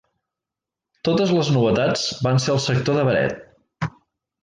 Totes les novetats van ser al sector de Beret.